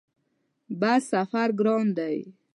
بس سفر ګران دی؟